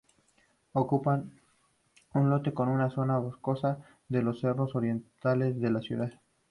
Ocupa un lote en una zona boscosa de los cerros orientales de la ciudad.